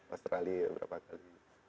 australia beberapa kali